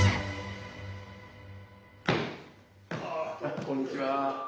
こんにちは。